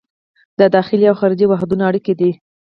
دا د داخلي او خارجي واحدونو اړیکې دي.